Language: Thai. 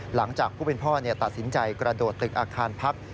หลังจากผู้เป็นพ่อตัดสินใจกระโดดตึกอาคารพัก